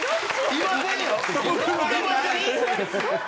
いません。